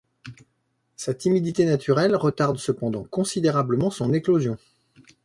Sa timidité naturelle retarde cependant considérablement son éclosion.